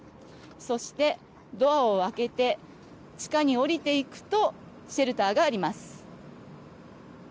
そして、ドアを開けて地下に下りていくとシェルターがあります。